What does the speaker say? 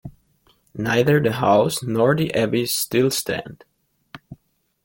Neither the house nor the Abbey still stand.